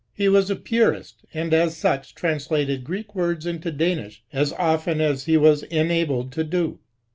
He was a purist, and, as such, translated Greek words into. Danish as H 5 154 NATIONAL often as he was enabled so to do.